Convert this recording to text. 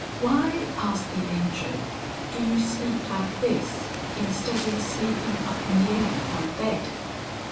"Why," asked the Angel, "do you sleep like this instead of sleeping up in the air on a Bed?"